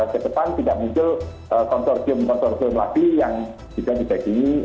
ke depan tidak muncul kontorsium kontorsium lagi yang tidak dibagiin